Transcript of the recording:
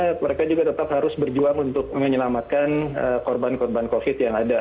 karena mereka juga tetap harus berjuang untuk menyelamatkan korban korban covid yang ada